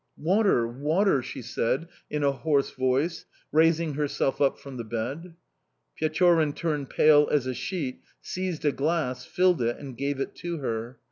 "'Water, water!' she said in a hoarse voice, raising herself up from the bed. "Pechorin turned pale as a sheet, seized a glass, filled it, and gave it to her.